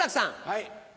はい。